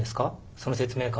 その説明会。